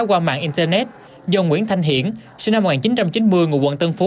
qua mạng internet do nguyễn thanh hiển sinh năm một nghìn chín trăm chín mươi ngụ quận tân phú